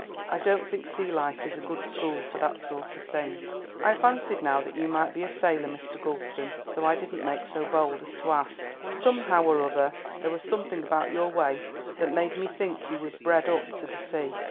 I don't think sea life is a good school for that sort of thing." "I fancied now that you might be a sailor, Mr. Gulston, though I didn't make so bold as to ask. Somehow or other there was something about your way that made me think you was bred up to the sea.